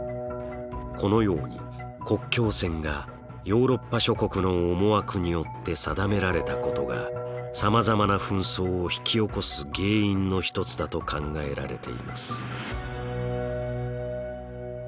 このように国境線がヨーロッパ諸国の思惑によって定められたことがさまざまな紛争を引き起こす原因の一つだと考えられています。